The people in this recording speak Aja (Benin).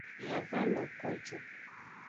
Mia va lo ko ju.